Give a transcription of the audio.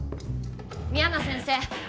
深山先生